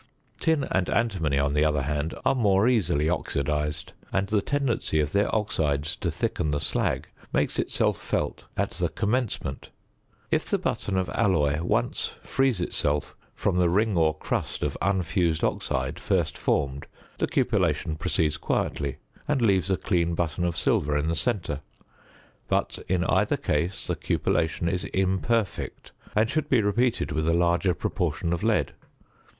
Tin and antimony, on the other hand, are more easily oxidised; and the tendency of their oxides to thicken the slag makes itself felt at the commencement: if the button of alloy once frees itself from the ring or crust of unfused oxide first formed, the cupellation proceeds quietly, and leaves a clean button of silver in the centre. But in either case the cupellation is imperfect, and should be repeated with a larger proportion of lead.